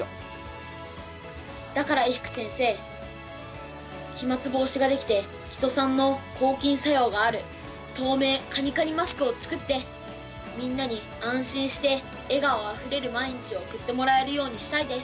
だから伊福先生飛まつ防止ができてキトサンの抗菌作用がある透明カニカニマスクを作ってみんなに安心して笑顔あふれる毎日を送ってもらえるようにしたいです。